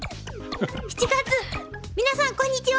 ７月皆さんこんにちは。